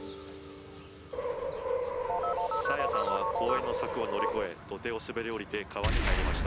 爽彩さんは公園の柵を乗り越え、土手を滑り降りて川に入りました。